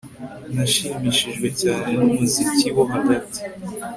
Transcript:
Nashimishijwe cyane numuziki wo hagati